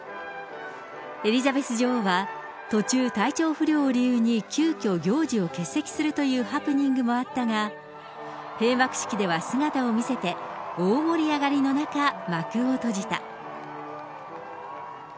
エリザベス女王は途中、体調不良を理由に急きょ、行事を欠席するというハプニングもあったが、閉幕式では姿を見せて、大盛り上がりの中、幕を閉じた。